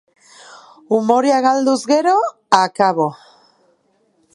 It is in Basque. Umorea galduz gero, akabo.